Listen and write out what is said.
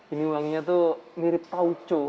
ini wanginya tuh mirip tauco